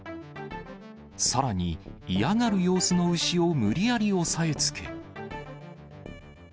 さらに、嫌がる様子の牛を無理やり押さえつけ。